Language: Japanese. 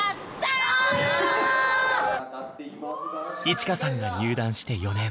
衣千華さんが入団して４年。